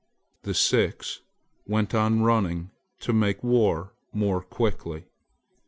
The six went on running to make war more quickly.